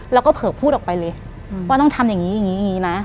เราก็เผลอพูดออกไปเลยว่าต้องทำอย่างนี้อย่างนี้อย่างนี้นะ